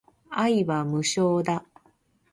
愛は無償だ